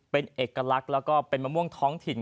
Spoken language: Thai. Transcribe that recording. เป็นเอกลักษณ์แล้วก็เป็นมะม่วงท้องถิ่น